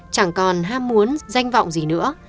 chẳng còn ham muốn danh vọng gì nữa